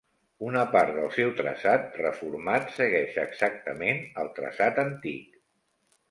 Una part del seu traçat, reformat, segueix exactament el traçat antic.